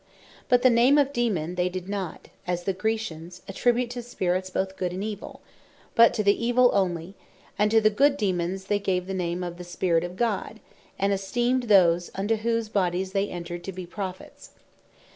But the name of Daemon they did not (as the Graecians) attribute to Spirits both Good, and Evill; but to the Evill onely: And to the Good Daemons they gave the name of the Spirit of God; and esteemed those into whose bodies they entred to be Prophets.